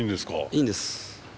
いいんです。